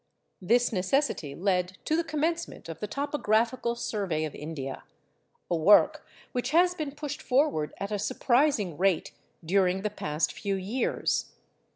This necessity led to the commencement of the Topographical Survey of India, a work which has been pushed forward at a surprising rate during the past few years.